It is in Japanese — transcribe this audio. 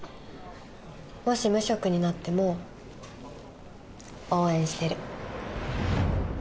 もし無職になっても応援してる。